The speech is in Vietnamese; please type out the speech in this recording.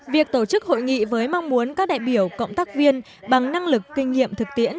việc tổ chức hội nghị với mong muốn các đại biểu cộng tác viên bằng năng lực kinh nghiệm thực tiễn